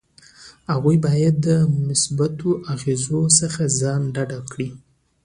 هغوی باید د مثبتو اغیزو څخه ځان ډاډه کړي.